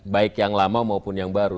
baik yang lama maupun yang baru